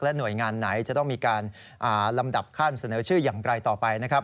หน่วยงานไหนจะต้องมีการลำดับขั้นเสนอชื่ออย่างไกลต่อไปนะครับ